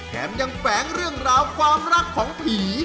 แถมยังแฝงเรื่องราวความรักของผี